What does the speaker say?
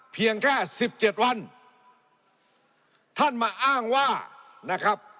เพียงแค่สิบเจ็ดวันท่านมาอ้างว่านะครับ